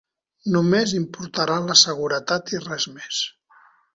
Només importarà la seguretat, i res més.